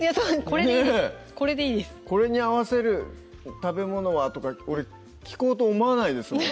これに合わせる食べ物は？とか俺聞こうと思わないですもん